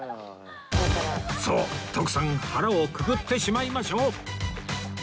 そう徳さん腹をくくってしまいましょう